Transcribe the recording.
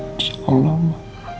insya allah ma